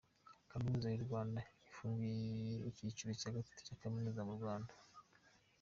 Kaminuza y’Urwanda yafunguye ikiciro cya gatatu cya kaminuza mu Rwanda